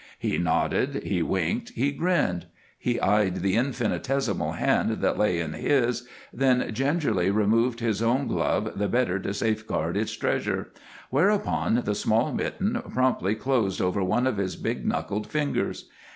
He nodded, he winked, he grinned. He eyed the infinitesimal hand that lay in his, then gingerly removed his own glove the better to safeguard its treasure, whereupon the small mitten promptly closed over one of his big knuckled fingers.